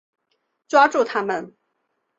抓住他们！